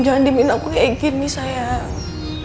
jangan dimin aku kayak gini sayang